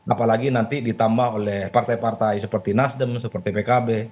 apalagi nanti ditambah oleh partai partai seperti nasdem seperti pkb